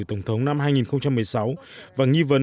tổng thống năm hai nghìn một mươi sáu và nghi vấn